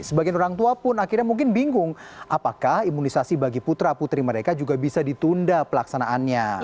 sebagian orang tua pun akhirnya mungkin bingung apakah imunisasi bagi putra putri mereka juga bisa ditunda pelaksanaannya